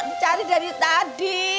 dicari dari tadi